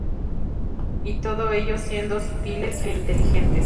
Y todo ello siendo sutiles e inteligentes.